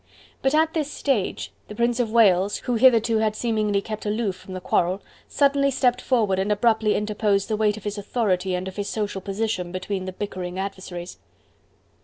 But at this stage, the Prince of Wales, who hitherto had seemingly kept aloof from the quarrel, suddenly stepped forward and abruptly interposed the weight of his authority and of his social position between the bickering adversaries.